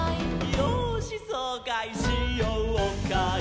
「よーしそうかいしようかい」